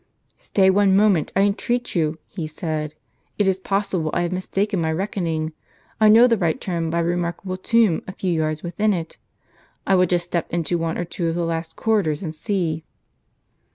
" Stay one moment, I entreat you," he said. " It is possible I have mis taken my reckoning. I know the right turn by a remarkable tomb a few^ yards within it; I will just step into one or two of the last corridors, and see."